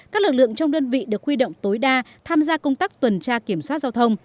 các lực lượng trong đơn vị được huy động tối đa tham gia công tác tuần tra kiểm soát giao thông